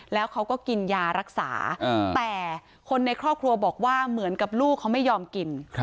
แล้วเขาก็กินยารักษาแต่คนในครอบครัวบอกว่าเหมือนกับลูกเขาไม่ยอมกิน